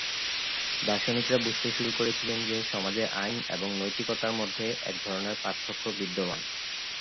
দার্শনিকরা বুঝতে শুরু করেছিলেন যে, সমাজে আইন এবং নৈতিকতার মধ্যে এক ধরনের পার্থক্য বিদ্যমান।